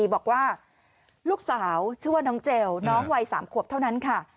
บอกว่าลูกสาวชื่อว่าน้องเจลน้องวัย๓ขวบเท่านั้นค่ะ